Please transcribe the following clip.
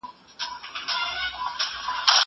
زه اجازه لرم چي ليکنه وکړم!